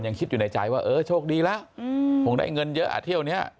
ยังคิดอยู่ในใจว่าโชคดีแล้วผมได้เงินเยอะที่วันนี้